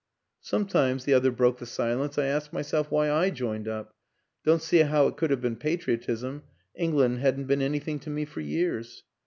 " Sometimes," the other broke the silence, " I ask myself why I joined up. Don't see how it could have been patriotism; England hadn't been anything to me for years.